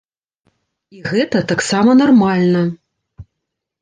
І гэта таксама нармальна.